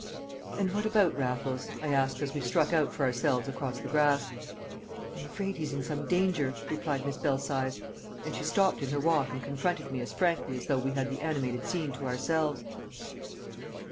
"And what about Raffles?" I asked as we struck out for ourselves across the grass. "I'm afraid he's in some danger," replied Miss Belsize. And she stopped in her walk and confronted me as frankly as though we had the animated scene to ourselves.